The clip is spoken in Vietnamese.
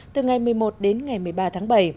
từ ngày một mươi một đến ngày một mươi ba tháng bảy